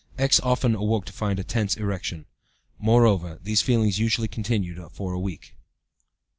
X. often awoke to find a tense erection. Moreover, these feelings usually continued a week.